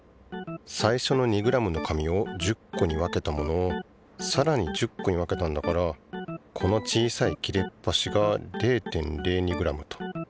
最初の２ｇの紙を１０個に分けたものをさらに１０個に分けたんだからこの小さい切れっぱしが０．０２ｇと。